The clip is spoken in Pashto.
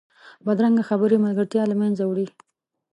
بدرنګه خبرې ملګرتیا له منځه وړي